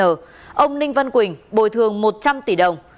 ông ninh văn quỳnh bồi thường một trăm linh tỷ đồng